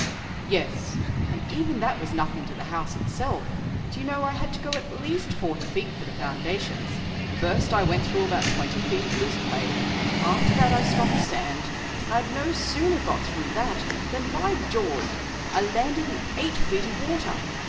"Yes, and even that was nothing to the house itself. Do you know, I had to go at least forty feet for the foundations. First I went through about twenty feet of loose clay, after that I struck sand, and I'd no sooner got through that than, by George! I landed in eight feet of water.